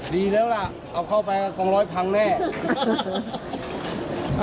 ดีแล้วล่ะเอาเข้าไปกองร้อยพังแน่